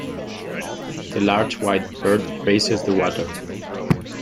The large white bird grazes the water.